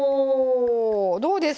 どうです？